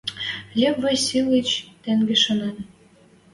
Лев Васильыч, тенге шанен